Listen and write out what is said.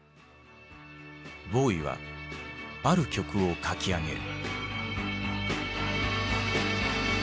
ボウイはある曲を書き上げる。